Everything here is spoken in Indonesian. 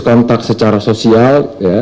kontak secara sosial